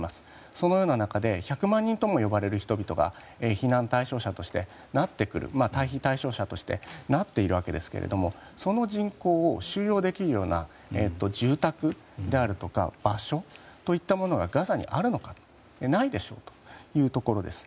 そのような中で１００万人とも呼ばれる人たちが退避対象者になっているわけですがその人口を収容できるような住宅や場所といったものがガザにあるのかというとないでしょ？というところです。